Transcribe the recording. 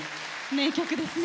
名曲ですね。